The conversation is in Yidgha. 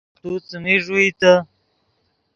تو څیمین ݱوئیتے